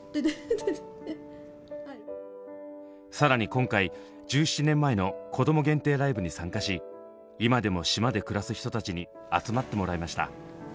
更に今回１７年前の子ども限定ライブに参加し今でも島で暮らす人たちに集まってもらいました。